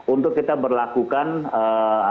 untuk kita berlakukan apa ini dikawal